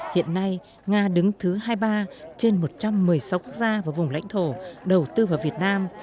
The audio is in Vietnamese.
hiện nay nga đứng thứ hai mươi ba trên một trăm một mươi sáu quốc gia và vùng lãnh thổ đầu tư vào việt nam